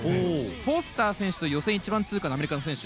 フォスター選手という予選１位通過のアメリカの選手